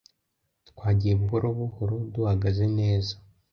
Twagiye buhoro buhoro duhagaze neza